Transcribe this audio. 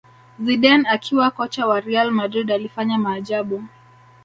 zidane akiwa kocha wa Real Madrid alifanya maajabu